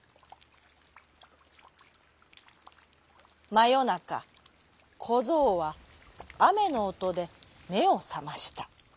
まよなかこぞうはあめのおとでめをさました。